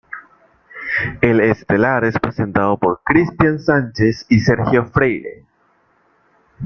El estelar es presentado por Cristián Sánchez y Sergio Freire.